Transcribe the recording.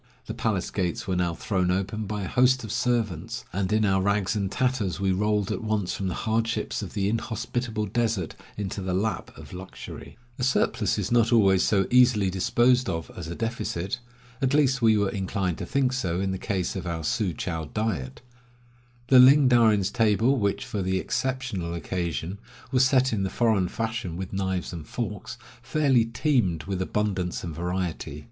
The palace gates were now thrown open by a host of servants, and in our rags and tatters we rolled at once from the hardships of the inhospitable desert into the lap of luxury. A surplus is not always so easily disposed of as a deficit — at least we were inclined to think so in the case of our Su chou diet. The Ling Darin' s table, which, for the exceptional occasion, was set in the foreign fashion with knives and forks, fairly teemed with abundance and variety.